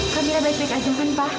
kamila baik baik aja kan pa